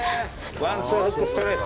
ワン、ツー、フック、ストレート。